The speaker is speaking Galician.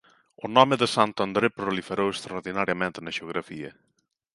O nome de Santo André proliferou extraordinariamente na xeografía.